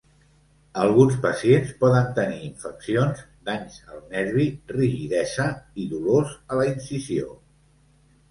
Alguns pacients poden tenir infeccions, danys al nervi, rigidesa i dolors a la incisió.